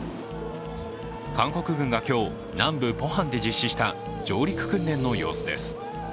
韓国軍が今日、南部ポハンで実施した上陸訓練の様子です。